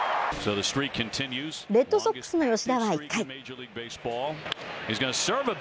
レッドソックスの吉田は１回。